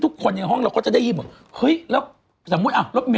ทุกคนในห้องจะได้ยิม